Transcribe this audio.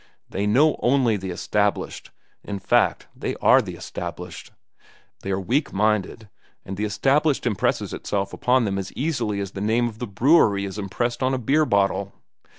They know only the established,—in fact, they are the established. They are weak minded, and the established impresses itself upon them as easily as the name of the brewery is impressed on a beer bottle.